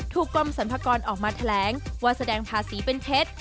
กรมสรรพากรออกมาแถลงว่าแสดงภาษีเป็นเท็จ